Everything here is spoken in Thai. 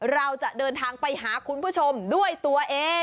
เราจะเดินทางไปหาคุณผู้ชมด้วยตัวเอง